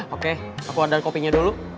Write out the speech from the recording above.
oke aku adan kopinya dulu